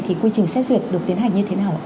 thì quy trình xét duyệt được tiến hành như thế nào ạ